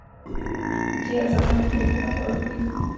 دوی ارزان او بې کیفیته خواړه خوري